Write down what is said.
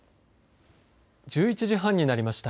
１１時半になりました。